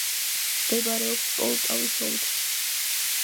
მდებარეობს პოლტავის ოლქში.